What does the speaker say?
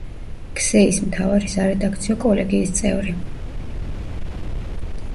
ქსე-ის მთავარი სარედაქციო კოლეგიის წევრი.